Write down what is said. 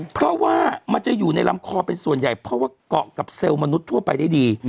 เพราะว่ามันจะอยู่ในลำคอเป็นส่วนใหญ่เพราะว่าเกาะกับเซลล์มนุษย์ทั่วไปได้ดี